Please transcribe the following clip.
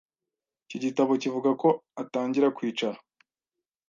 iki gitabo kivuga ko atangira kwicara,